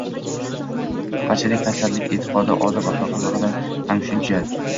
qanchalik qayg‘ursak, e’tiqodi, odob-axloqi haqida ham shuncha